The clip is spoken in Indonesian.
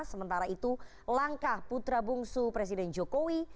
sementara itu langkah putra bungsu presiden jokowi